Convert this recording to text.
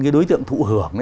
cái đối tượng thụ hưởng